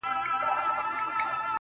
صبر د انسان اراده قوي کوي.